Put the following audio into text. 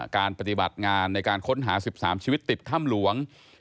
การปฏิบัติงานในการค้นหา๑๓ชีวิตติดถ้ำหลวง